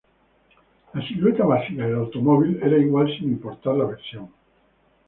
La silueta básica del automóvil era igual sin importar la versión.